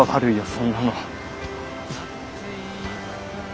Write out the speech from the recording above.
そんなの。